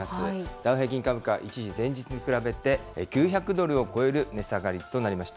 ダウ平均株価、一時、前日に比べて９００ドルを超える値下がりとなりました。